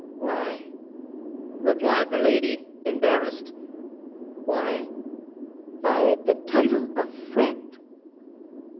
"Why," replied Milady, embarrassed, "why, by the title of friend."